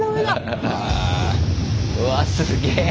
うわすげえ。